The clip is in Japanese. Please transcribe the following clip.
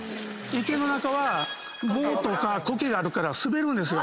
池の中は藻とか苔があるから滑るんですよ。